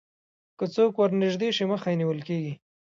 که څوک ورنژدې شي مخه یې نیول کېږي